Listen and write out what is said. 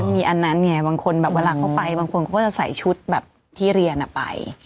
บางคนภายในครั้งนั้นก็จะใส่ชุดที่เรียนไป